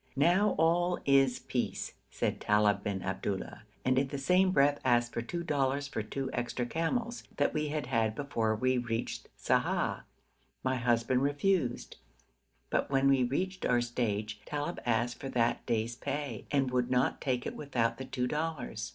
'Now all is peace,' said Talib bin Abdullah, and in the same breath asked for two dollars for two extra camels, that we had had before we reached Sa'ah. My husband refused, but when we reached our stage Talib asked for that day's pay, and would not take it without the two dollars.